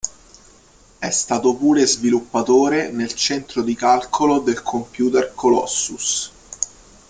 È stato pure sviluppatore nel centro di calcolo del computer Colossus.